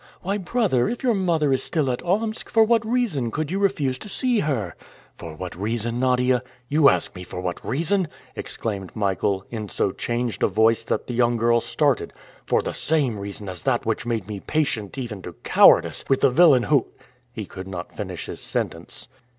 Why, brother, if your mother is still at Omsk, for what reason could you refuse to see her?" "For what reason, Nadia? You ask me for what reason," exclaimed Michael, in so changed a voice that the young girl started. "For the same reason as that which made me patient even to cowardice with the villain who " He could not finish his sentence.